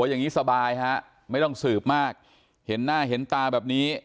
อย่างนี้สบายฮะไม่ต้องสืบมากเห็นหน้าเห็นตาแบบนี้